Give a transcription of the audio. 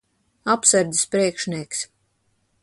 Apsardzes priekšnieks.